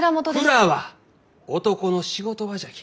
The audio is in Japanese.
蔵は男の仕事場じゃき。